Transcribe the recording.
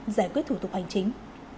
giải quyết thủ tục hành chính